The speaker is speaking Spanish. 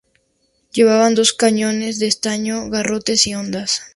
Llevaban dos cañones de estaño, garrotes y hondas.